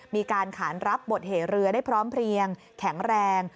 มีการขานรับบทเหเรือได้พร้อมเพลียงแข็งแรง